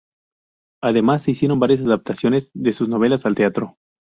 Además se hicieron varias adaptaciones de sus novelas al teatro.